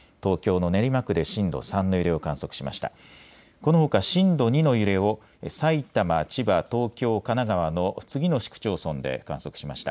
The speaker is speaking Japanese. このほか震度２の揺れを埼玉、千葉、東京、神奈川の次の市区町村で観測しました。